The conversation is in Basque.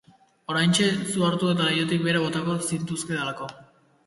Oraintxe zu hartu eta leihotik behera botako zintuzkedalako.